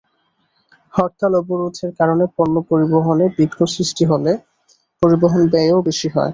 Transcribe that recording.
হরতাল-অবরোধের কারণে পণ্য পরিবহনে বিঘ্ন সৃষ্টি হলে পরিবহন ব্যয়ও বেশি হয়।